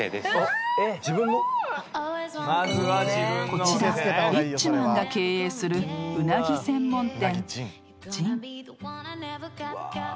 ［こちらリッチマンが経営するうなぎ専門店］